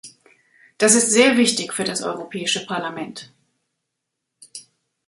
Das ist sehr wichtig für das Europäische Parlament.